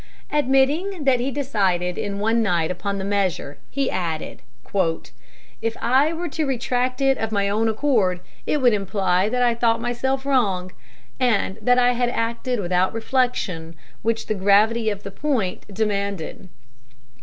Admitting that he decided in one night upon the measure, he added: "If I were to retract it of my own accord, it would imply that I myself thought it wrong, and that I had acted without the reflection which the gravity of the point demanded."